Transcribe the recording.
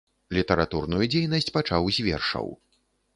Літаратурную дзейнасць пачаў з вершаў.